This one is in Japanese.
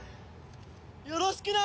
よろしくな！